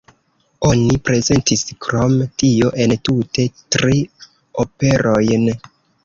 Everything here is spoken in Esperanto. Oni prezentis krom tio entute tri operojn.